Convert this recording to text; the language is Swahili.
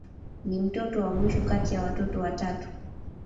Ni mtoto wa mwisho kati ya watoto watatu.